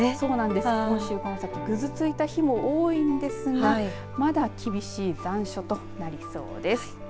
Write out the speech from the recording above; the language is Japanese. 今週この先ぐずついた日も多いんですがまだ厳しい残暑となりそうです。